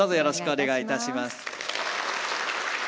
お願いいたします。